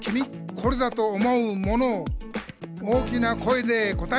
「これだと思うものを大きな声で答えてくれ！」